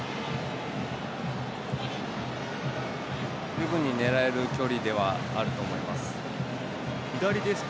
十分に狙える距離ではあると思います。